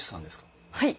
はい。